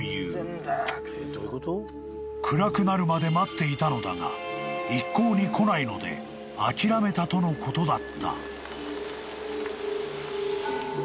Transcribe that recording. ［暗くなるまで待っていたのだが一向に来ないので諦めたとのことだった］